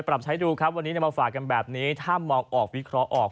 ปรับใช้ดูครับวันนี้มาฝากกันแบบนี้ถ้ามองออกวิเคราะห์ออก